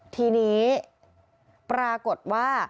ทีนี้ปรากฏว่า